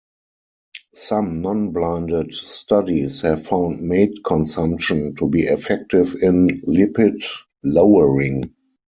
Some non-blinded studies have found mate consumption to be effective in lipid lowering.